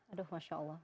aduh masya allah